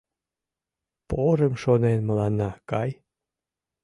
Порым шонен мыланна, кай.